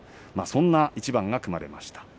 そんな一番が組まれました。